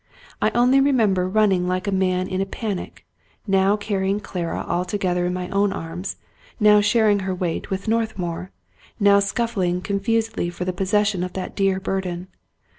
I only remem ber running like a man in a panic, now carrying Clara alto gether in my own arms, now sharing her weight with North mour, now scuffling confusedly for the possession of that dear burden.